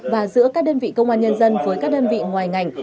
và giữa các đơn vị công an nhân dân với các đơn vị ngoài ngành